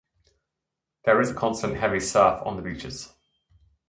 There is a constant, heavy surf on the beaches.